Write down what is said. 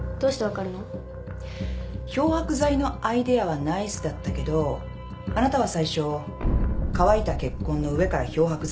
漂白剤のアイデアはナイスだったけどあなたは最初乾いた血痕の上から漂白剤をまいた。